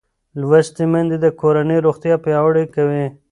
لوستې میندې د کورنۍ روغتیا پیاوړې کوي